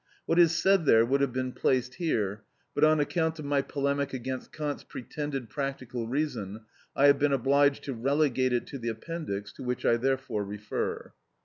What is said there would have been placed here, but on account of my polemic against Kant's pretended practical reason I have been obliged to relegate it to the Appendix, to which I therefore refer.